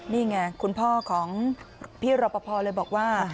นี่ไงคุณพ่อของพี่รอปภเลยบอกว่า